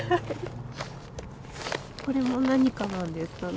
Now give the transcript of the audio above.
これも何かなんですかね？